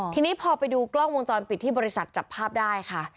ทีนี้พอไปดูกล้องวงจรปิดที่บริษัทจับภาพได้ค่ะ